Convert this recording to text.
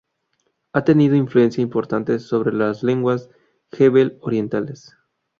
Ha tenido influencia importante sobre las lenguas jebel orientales.